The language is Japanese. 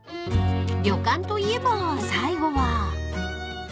［旅館といえば最後は］